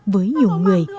với nhiều người